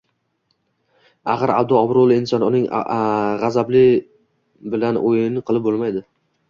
Axir Abdu obro`li inson, uning g`azabi bilan o`yin qilib bo`lmaydi